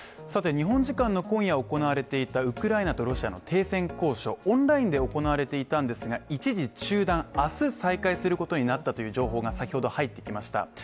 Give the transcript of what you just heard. さて、日本時間の今夜行われていたウクライナとロシアの停戦交渉、オンラインで行われていたんですが、一時中断明日再開することになったという情報が先ほど入ってきました。